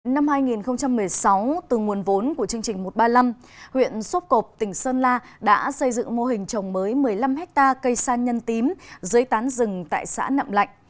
năm hai nghìn một mươi sáu từ nguồn vốn của chương trình một trăm ba mươi năm huyện sốp cộp tỉnh sơn la đã xây dựng mô hình trồng mới một mươi năm hectare cây san nhân tím dưới tán rừng tại xã nậm lạnh